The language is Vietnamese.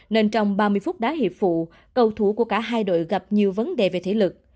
nên trong ba mươi phút đá hiệp phụ cầu thủ của cả hai đội gặp nhiều vấn đề về thể lực